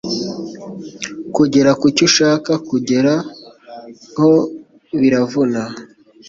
kugera ku cyo ushaka kugeraho biravuna